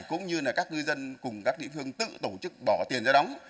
cũng như là các ngư dân cùng các địa phương tự tổ chức bỏ tiền ra đóng